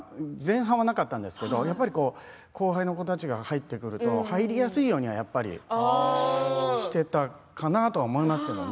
前半はそうでもなかったんですが後輩の子たちが入ってくると入りやすいようにしてたかなと思いますね。